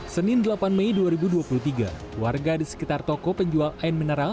senin delapan mei dua ribu dua puluh tiga warga di sekitar toko penjual air mineral